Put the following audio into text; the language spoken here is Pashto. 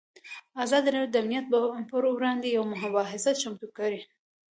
ازادي راډیو د امنیت پر وړاندې یوه مباحثه چمتو کړې.